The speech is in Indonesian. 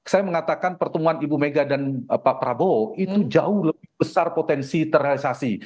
saya mengatakan pertemuan ibu mega dan pak prabowo itu jauh lebih besar potensi terrealisasi